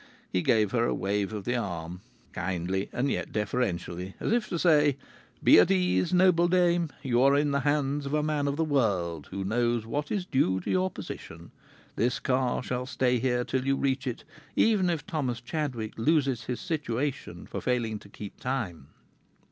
He gave her a wave of the arm, kindly and yet deferential, as if to say, "Be at ease, noble dame! You are in the hands of a man of the world, who knows what is due to your position. This car shall stay here till you reach it, even if Thomas Chadwick loses his situation for failing to keep time."